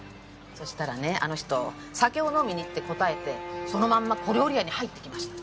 そしたらねあの人「酒を飲みに」って答えてそのまんま小料理屋に入っていきました。